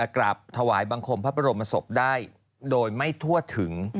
กราบถวายบังคมพระบรมศพได้โดยไม่ทั่วถึง